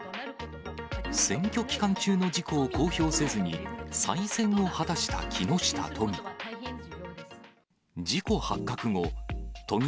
選挙期間中の事故を公表せずに、再選を果たした木下都議。